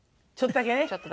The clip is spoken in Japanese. ちょっとだけね。